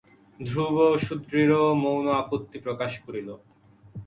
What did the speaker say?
ধ্রুব সুদৃঢ় মৌন আপত্তি প্রকাশ করিল।